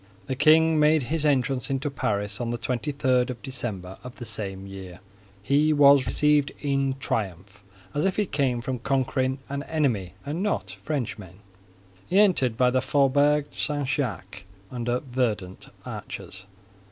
The king made his entrance into Paris on the twenty third of December of the same year. He was received in triumph, as if he came from conquering an enemy and not Frenchmen. He entered by the Faubourg St. Jacques, under verdant arches.